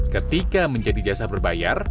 ketika menjadi jasa berbayar